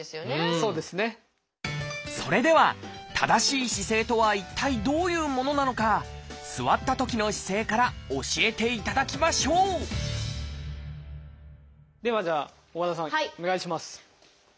それでは正しい姿勢とは一体どういうものなのか座ったときの姿勢から教えていただきましょうではじゃあ大和田さんお願いします。